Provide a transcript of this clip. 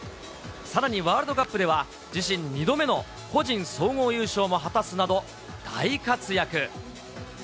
さらに、ワールドカップでは自身２度目の個人総合優勝も果たすなど、大活躍。